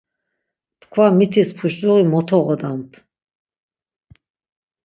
Tkva mitis puşluği mot oğodamt.